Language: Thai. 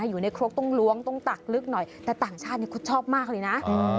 อยู่ในครกต้องล้วงต้องตักลึกหน่อยแต่ต่างชาตินี้คุณชอบมากเลยนะ